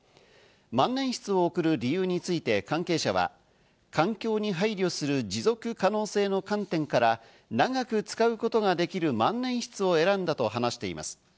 万年筆を贈る理由について関係者は環境に配慮する持続可能性の観点から長く使うことができる万年筆を選んだと話しています。